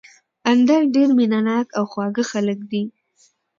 اندړ ډېر مېنه ناک او خواږه خلک دي